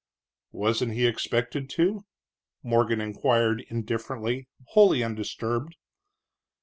"Wasn't he expected to?" Morgan inquired, indifferently, wholly undisturbed.